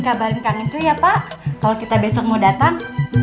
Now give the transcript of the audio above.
kabarin kang eco ya pak kalau kita besok mau datang